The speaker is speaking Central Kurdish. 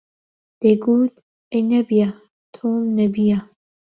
دەیگوت: ئەی نەبیە، تۆم نەبییە